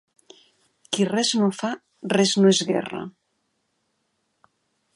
Qui res no fa, res no esguerra.